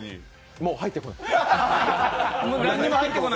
もう入ってこない。